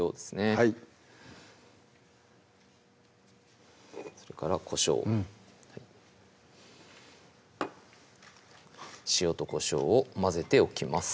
はいそれからこしょううん塩とこしょうを混ぜておきます